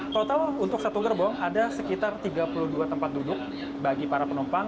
total untuk satu gerbong ada sekitar tiga puluh dua tempat duduk bagi para penumpang